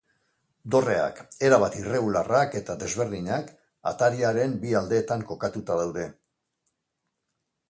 Dorreak, erabat irregularrak eta desberdinak, atariaren bi aldeetan kokatuta daude.